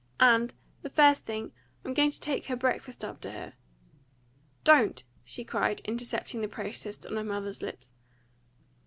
And, the first thing, I'm going to take her breakfast up to her. Don't!" she cried, intercepting the protest on her mother's lips.